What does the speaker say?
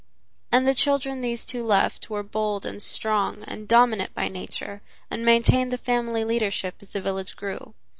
And the children these two left were bold and strong and dominant by nature, and maintained the family leadership as the village grew.